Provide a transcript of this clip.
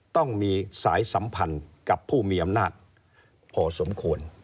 ต้องมีสายสัมพันธ์กับผู้มีอำนาจพอสมควร